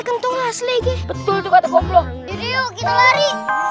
kentung asli betul betul kita lari